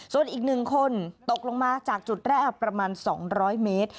ส่วนอีก๑คนตกลงมาจากจุดแรกประมาณ๒๐๐เมตร